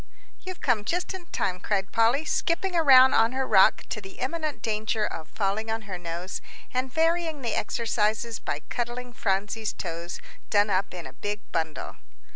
"You've come just in time," cried Polly, skipping around on her rock to the imminent danger of falling on her nose, and varying the exercises by cuddling Phronsie's toes, done up in a big bundle.